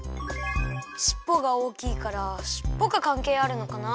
しっぽがおおきいからしっぽがかんけいあるのかな？